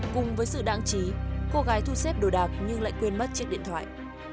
cùng với sự đáng trí cô gái thu xếp đồ đạc nhưng lại quên mất chiếc điện thoại